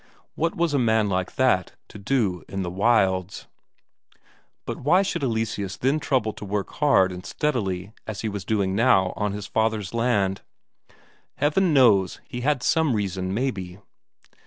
What was a man like that to do in the wilds? But why should Eleseus then trouble to work hard and steadily as he was doing now on his father's land? Heaven knows, he had some reason, maybe.